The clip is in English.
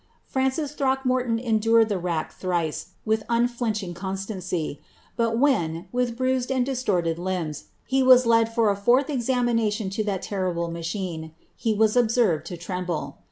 Francis Throckmorton endured the rack thrice with unflinching constancy ; but when, with bruised and distorted limbs, he was led for a fourth examination to that terrible machine, he was ob served to tremble.